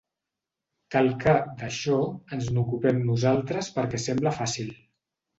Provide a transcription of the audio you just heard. Cal que, d'això, ens n'ocupem nosaltres perquè sembla fàcil.